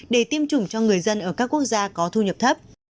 để tiêm chủng cho người dân ở các quốc gia có thu nhập thấp